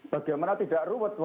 bagaimana tidak ruwet